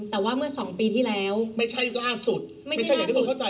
เธออยากให้ชี้แจ่งความจริง